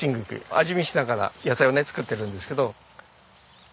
味見しながら野菜をね作ってるんですけど。